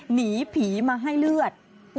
หนีผีมาให้เลือด